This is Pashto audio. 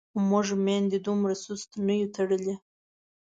موږ میندو دومره سست نه یو تړلي.